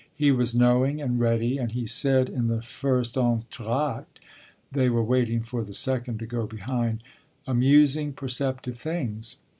He was knowing and ready and he said in the first entr'acte they were waiting for the second to go behind amusing perceptive things.